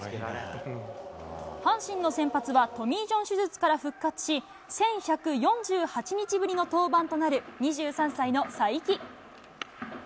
阪神の先発は、トミージョン手術から復活し、１１４８日ぶりの登板となる２３歳の才木。